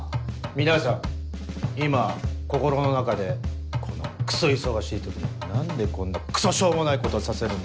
皆さん今心の中で「このクソ忙しい時に何でこんなクソしょうもないことをさせるんだ